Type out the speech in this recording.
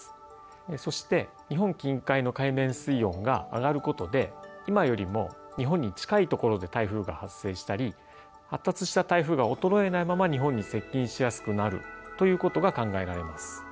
そして日本近海の海面水温が上がることで今よりも日本に近いところで台風が発生したり発達した台風が衰えないまま日本に接近しやすくなるということが考えられます。